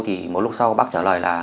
thì một lúc sau bác trả lời là